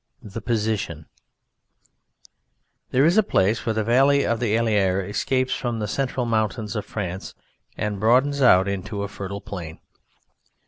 THE POSITION There is a place where the valley of the Allier escapes from the central mountains of France and broadens out into a fertile plain.